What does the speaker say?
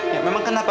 ya memang kenapa